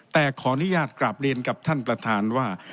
แต่ขออนุญาตกลับเรียนกับท่านประธานว่า